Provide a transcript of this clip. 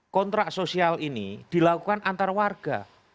kontrak sosial ini dilakukan antar warga